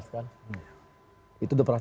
kan itu sudah pernah